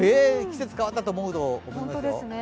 季節変わったと思うと思いますよ。